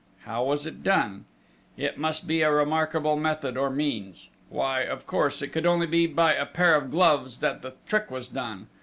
How was it done? It must be a removable method or means ... why, of course, it could only be by a pair of gloves that the trick was done